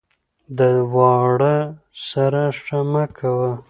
ـ د واړه سره ښه مه کوه ،